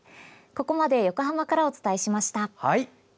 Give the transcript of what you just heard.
ここまで横浜からお伝えしました。